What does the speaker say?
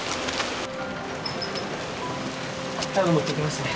タオル持ってきますね。